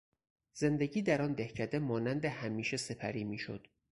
زندگی در آن دهکده مانند همیشه سپری میشد.